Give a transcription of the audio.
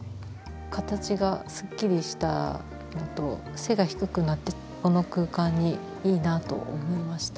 形がすっきりしたのと背が低くなってこの空間にいいなと思いました。